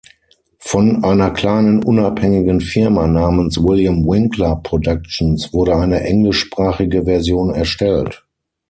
Von einer kleinen unabhängigen Firma namens William Winckler Productions wurde eine englischsprachige Version erstellt.